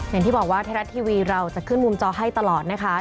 อย่างที่บอกว่าไทยรัฐทีวีเราจะขึ้นมุมจอให้ตลอดนะคะ